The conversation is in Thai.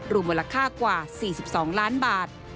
รวมมูลค่ากว่า๔๒ล้านบาท